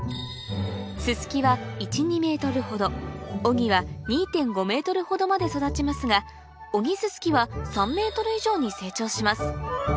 ススキは１２ｍほどオギは２．５ｍほどまで育ちますがオギススキは３ｍ以上に成長します